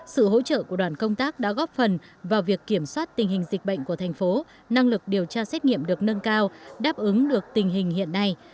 sự hỗ trợ của đoàn công tác đã góp phần vào việc kiểm soát tình hình dịch bệnh của thành phố năng lực điều tra xét nghiệm được nâng cao đáp ứng được tình hình hiện nay